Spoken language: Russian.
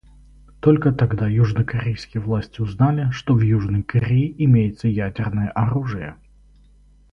Только тогда южнокорейские власти узнали, что в Южной Корее имеется ядерное оружие.